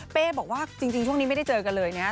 บอกว่าจริงช่วงนี้ไม่ได้เจอกันเลยนะครับ